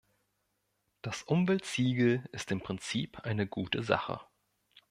Das Umweltsiegel ist im Prinzip eine gute Sache.